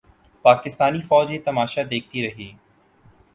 پاکستانی فوج یہ تماشا دیکھتی رہی۔